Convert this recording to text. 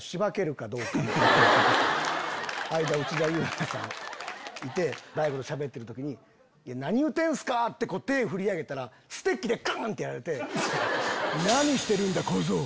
間に内田裕也さんいて大悟としゃべってる時に何言うてんすか！って手振り上げたらステッキでカン！ってやられて。